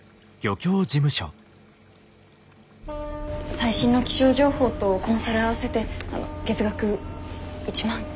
最新の気象情報とコンサル合わせて月額１万。